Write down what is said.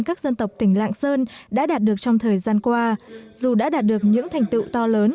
các dân tộc tỉnh lạng sơn đã đạt được trong thời gian qua dù đã đạt được những thành tựu to lớn